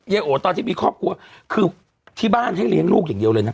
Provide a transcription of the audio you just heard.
โอตอนที่มีครอบครัวคือที่บ้านให้เลี้ยงลูกอย่างเดียวเลยนะ